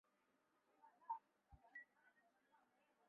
查尔斯城县位美国维吉尼亚州东部的一个县。